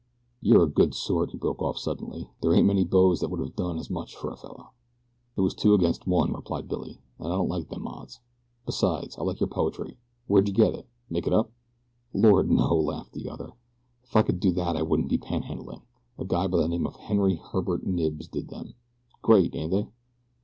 "You're a good sort," he broke off, suddenly. "There ain't many boes that would have done as much for a fellow." "It was two against one," replied Billy, "an' I don't like them odds. Besides I like your poetry. Where d'ye get it make it up?" "Lord, no," laughed the other. "If I could do that I wouldn't be pan handling. A guy by the name of Henry Herbert Knibbs did them. Great, ain't they?"